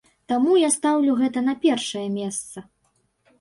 Таму я стаўлю гэта на першае месца.